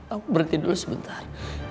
aku berdiri dulu sebentar